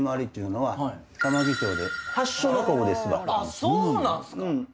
あっそうなんですか？